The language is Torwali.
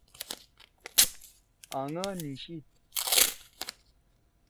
آنگا نیِشیِد۔